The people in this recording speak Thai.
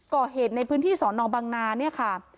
ก่อเหตุในพื้นที่สอนอบังนาเนี่ยค่ะ